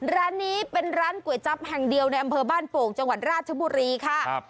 ร้านนี้เป็นร้านก๋วยจั๊บแห่งเดียวในอำเภอบ้านโป่งจังหวัดราชบุรีค่ะ